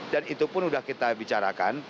dan itu pun sudah kita bicarakan